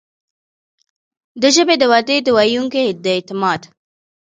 د ژبې د ودې، د ویونکو د اعتماد